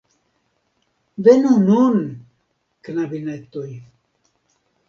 Venu nun, knabinetoj!